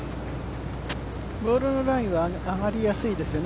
ボールのラインは上がりやすいですね